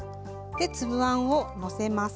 粒あんをのせます。